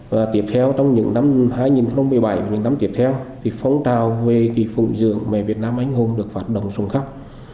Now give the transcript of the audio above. và tiếp theo trong những năm hai nghìn một mươi bảy và những năm tiếp theo thì phong trào về phùng dựng mẹ việt nam anh hùng được phát động xuống khắp